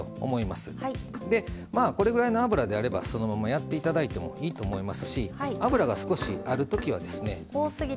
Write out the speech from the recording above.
まあこれぐらいの油であればそのままやって頂いてもいいと思いますし油が少しあるときはですね